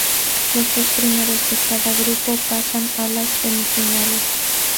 Los dos primeros de cada grupo pasan a las semifinales.